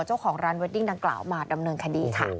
เจ้าของร้านเวดดิ้งดังกล่าวมาดำเนินคดีค่ะ